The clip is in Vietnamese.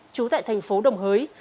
chú tại thành phố đồng hới